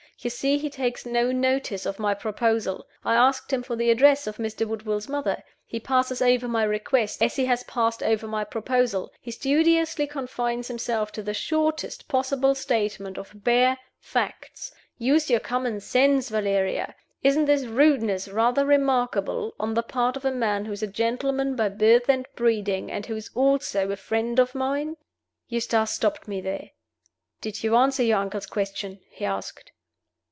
You see he takes no notice of my proposal. I asked him for the address of Mr. Woodville's mother. He passes over my request, as he has passed over my proposal he studiously confines himself to the shortest possible statement of bare facts. Use your common sense, Valeria. Isn't this rudeness rather remarkable on the part of a man who is a gentleman by birth and breeding, and who is also a friend of mine?'" Eustace stopped me there. "Did you answer your uncle's question?" he asked.